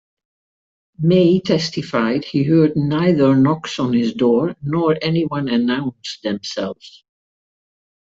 Maye testified he heard neither knocks on his door nor anyone announce themselves.